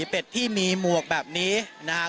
เป็ดที่มีหมวกแบบนี้นะครับ